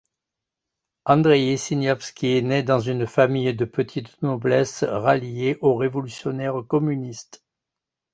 Andreï Siniavski naît dans une famille de petite noblesse ralliée aux révolutionnaires communistes.